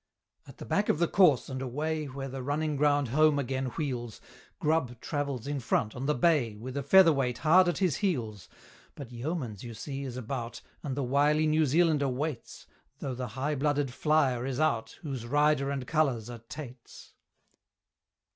At the back of the course, and away Where the running ground home again wheels, Grubb travels in front on the bay, With a feather weight hard at his heels. But Yeomans, you see, is about, And the wily New Zealander waits, Though the high blooded flyer is out, Whose rider and colours are Tait's.